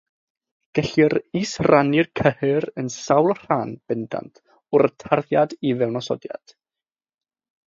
Gellir isrannu'r cyhyr yn sawl rhan bendant o'r tarddiad i fewnosodiad.